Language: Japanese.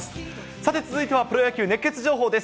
さて続いてはプロ野球熱ケツ情報です。